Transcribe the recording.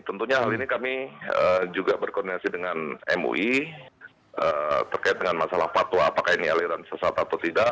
tentunya hal ini kami juga berkoordinasi dengan mui terkait dengan masalah fatwa apakah ini aliran sesat atau tidak